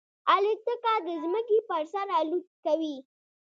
الوتکه د ځمکې پر سر الوت کوي.